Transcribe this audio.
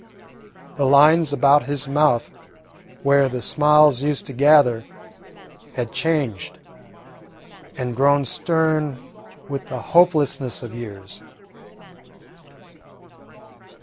The lines about his mouth where the smiles used to gather had changed and grown stern with the hopelessness of years.